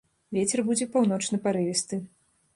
Вецер будзе паўночны парывісты.